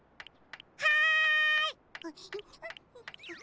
はい！